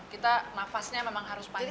kita nafasnya memang harus panas